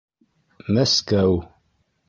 Мәскәү!